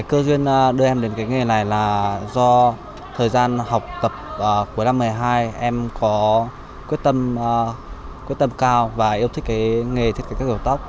cơ duyên đưa em đến cái nghề này là do thời gian học tập cuối năm hai nghìn một mươi hai em có quyết tâm cao và yêu thích cái nghề thiết kế kiểu tóc